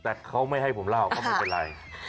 แต่เขาไม่ให้ผมเล่าก็ไม่เป็นไร